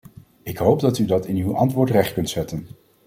Ik hoop dat u dat in uw antwoord recht kunt zetten.